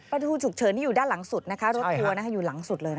ดูฉุกเฉินที่อยู่ด้านหลังสุดนะคะรถทัวร์อยู่หลังสุดเลย